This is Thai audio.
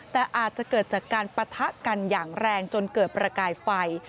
แต่อาจจะเกิดจากการปะทะกันอย่างแรงจนเกิดประกายไฟ